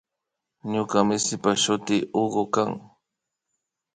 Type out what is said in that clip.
Ñuka misipa shuti Hugo kan